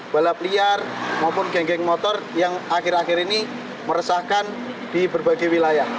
balap liar maupun geng geng motor yang akhir akhir ini meresahkan di berbagai wilayah